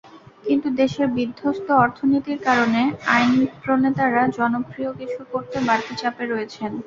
কিন্তু দেশের বিধ্বস্ত অর্থনীতির কারণে আইনপ্রণেতারা জনপ্রিয় কিছু করতে বাড়তি চাপে রয়েছেন।